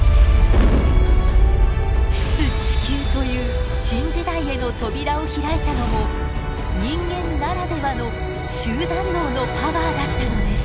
出・地球という新時代への扉を開いたのも人間ならではの集団脳のパワーだったのです。